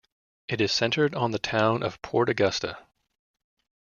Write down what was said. It is centred on the town of Port Augusta.